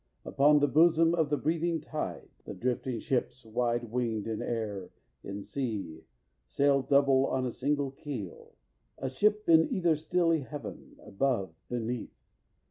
Upon the bosom of the breathing tide The drifting ships, wide winged in air, in sea, Sailed double on a single keel a ship In either stilly heaven, above, beneath.